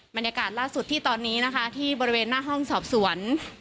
บรรยากาศล่าสุดที่ตอนนี้นะคะที่บริเวณหน้าห้องสอบสวน